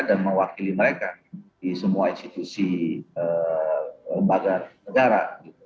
dan mewakili mereka di semua institusi lembaga negara